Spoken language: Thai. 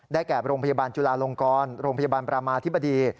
แก่โรงพยาบาลจุลาลงกรโรงพยาบาลประมาธิบดี